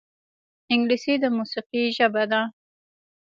انګلیسي د موسیقۍ ژبه ده